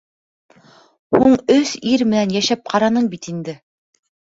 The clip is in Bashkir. Һуң өс ир менән йәшәп ҡараның бит инде.